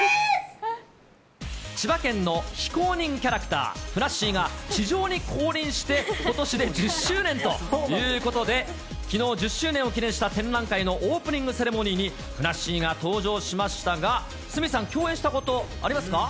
千葉県の非公認キャラクター、ふなっしーが、地上に降臨してことしで１０周年ということで、きのう１０周年を記念した展覧会のオープニングセレモニーにふなっしーが登場しましたが、鷲見さん、共演したことありますか？